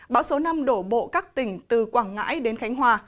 bão số năm đổ bộ các tỉnh từ quảng ngãi đến khánh hòa